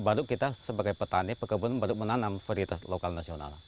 baru kita sebagai petani pekebunan baru menanam varietas lokal nasional